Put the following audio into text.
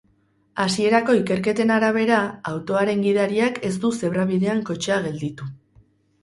Hasierako ikerketen arabera, autoaren gidariak ez du zebra-bidean kotxea gelditu.